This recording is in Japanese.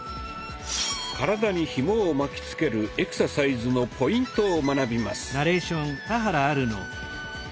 体にひもを巻きつけるエクササイズのポイントを学びます。